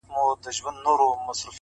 زه يې د نوم تر يوه ټكي صدقه نه سومه!!